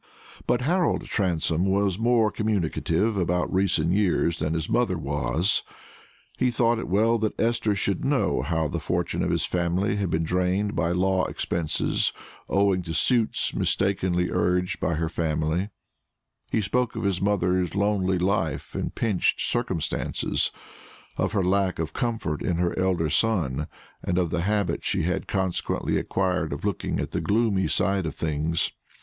But Harold Transome was more communicative about recent years than his mother was. He thought it well that Esther should know how the fortune of his family had been drained by law expenses, owing to suits mistakenly urged by her family; he spoke of his mother's lonely life and pinched circumstances, of her lack of comfort in her elder son, and of the habit she had consequently acquired of looking at the gloomy side of things.